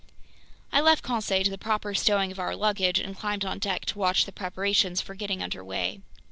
I left Conseil to the proper stowing of our luggage and climbed on deck to watch the preparations for getting under way.